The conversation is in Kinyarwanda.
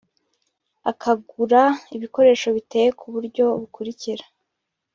akagura ibikoresho biteye ku buryo bukurikira